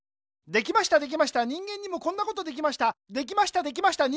できましたできました人間にもこんなことできました。